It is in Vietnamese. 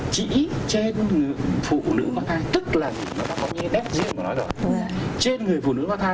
chỉ trên phụ nữ mang thai